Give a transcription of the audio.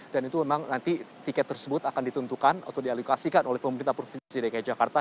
dan itu memang nanti tiket tersebut akan ditentukan atau dialokasikan oleh pemerintah provinsi dki jakarta